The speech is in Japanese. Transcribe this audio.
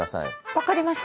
分かりました。